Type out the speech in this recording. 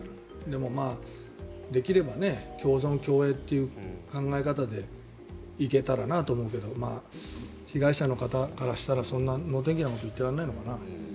でも、できれば共存共栄という考え方で行けたらなと思うけど被害者の方からしたらそんな能天気なことは言ってられないのかな。